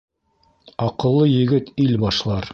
Аҡыллы егет ил башлар